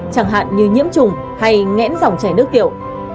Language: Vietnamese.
chẳng hạn như nhiễm trùng hay ngẽn dòng chảy nước tiểu